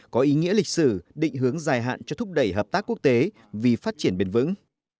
có ý nghĩa lịch sử định hướng dài hạn cho thúc đẩy hợp tác quốc tế vì phát triển bền vững